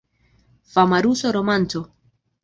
Fama rusa romanco.